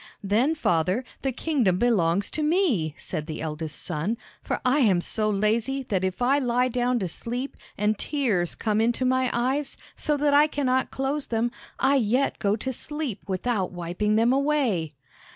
"Then, father, the kingdom belongs to me," said the eldest son; "for I am so lazy, that if I lie down to sleep, and tears come into my eyes, so that I cannot close them, I yet go to sleep without wiping them away!"